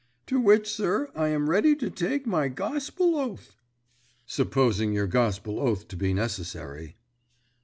"To which, sir, I am ready to take my gospel oath." "Supposing your gospel oath to be necessary."